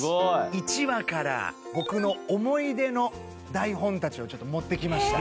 １話から僕の思い出の台本たちを持ってきました。